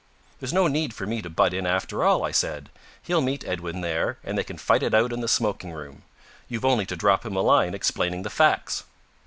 "There's no need for me to butt in after all," I said. "He'll meet Edwin there, and they can fight it out in the smoking room. You've only to drop him a line explaining the facts."